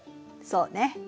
そうね。